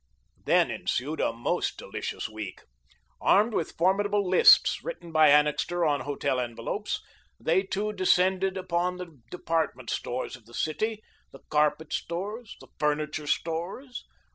Then ensued a most delicious week. Armed with formidable lists, written by Annixter on hotel envelopes, they two descended upon the department stores of the city, the carpet stores, the furniture stores.